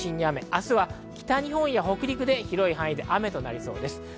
明日は北日本や北陸で広い範囲で雨となりそうです。